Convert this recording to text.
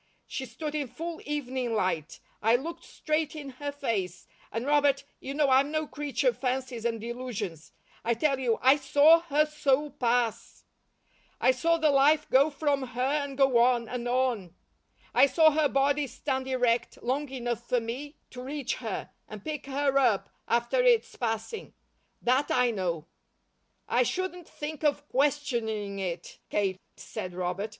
She stood in full evening light, I looked straight in her face, and Robert, you know I'm no creature of fancies and delusions, I tell you I SAW HER SOUL PASS. I saw the life go from her and go on, and on. I saw her body stand erect, long enough for me to reach her, and pick her up, after its passing. That I know." "I shouldn't think of questioning it, Kate," said Robert.